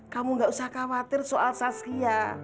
kamu gak usah khawatir soal saskia